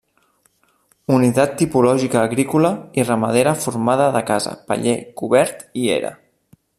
Unitat tipològica agrícola i ramadera formada de casa, paller, cobert i era.